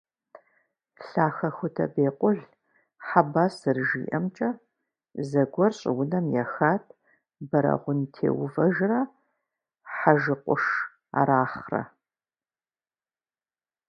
Лъахэхутэ Бекъул Хьэбас зэрыжиӀэмкӀэ, зэгуэр щӀыунэм ехат Бэрэгъун Теувэжрэ ХьэжыкӀуш Арахърэ.